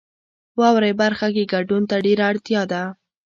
واورئ برخه کې ګډون ته ډیره اړتیا ده.